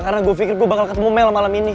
karena gue pikir gue bakal ketemu mel malam ini